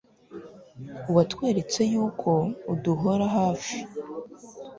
watweretse y'uko uduhora hafi